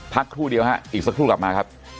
ครู่เดียวฮะอีกสักครู่กลับมาครับ